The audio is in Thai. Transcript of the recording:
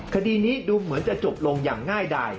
คดีนี้ดูเหมือนจะจบลงอย่างง่ายดาย